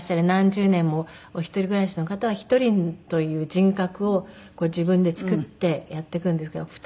何十年もお一人暮らしの方は１人という人格を自分で作ってやっていくんですけど。